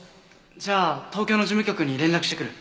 じゃあ東京の事務局に連絡してくる。